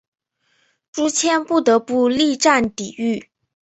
朱谦不得不力战抵御。